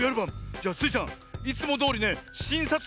じゃあスイちゃんいつもどおりねしんさつ